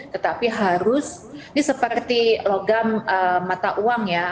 tetapi harus ini seperti logam mata uang ya